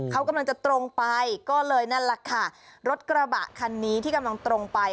เขากำลังจะตรงไปก็เลยนั่นแหละค่ะรถกระบะคันนี้ที่กำลังตรงไป